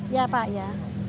ya pak ya